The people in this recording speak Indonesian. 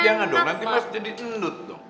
jangan dong nanti mas jadi gendut dong